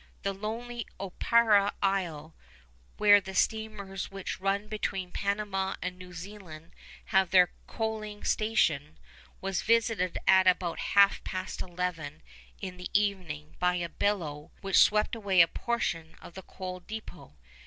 The lonely Opara Isle, where the steamers which run between Panama and New Zealand have their coaling station, was visited at about half past eleven in the evening by a billow which swept away a portion of the coal depôt.